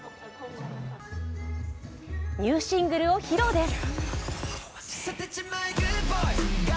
ニューシングルを披露です。